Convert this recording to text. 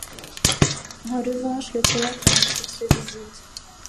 En revanche le théâtre antique se visite.